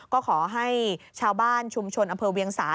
ก็ขอให้ชาวบ้านชุมชนอำเภอเวียงสา